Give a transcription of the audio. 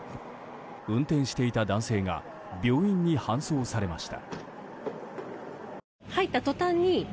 運転していた男性が病院に搬送されました。